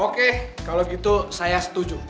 oke kalau gitu saya setuju